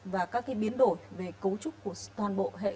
và các biến đổi về cấu trúc của toàn bộ hệ thống